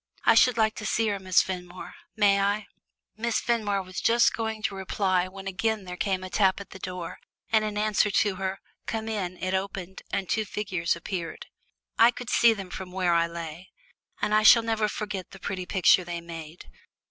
I should like to see her, Miss Fenmore. May I?" Miss Fenmore was just going to reply when again there came a tap at the door, and in answer to her "Come in" it opened and two figures appeared. I could see them from where I lay, and I shall never forget the pretty picture they made.